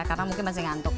karena mungkin masih ngantuk